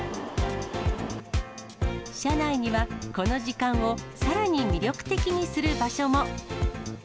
車内には、この時間をさらに魅力的にする場所も。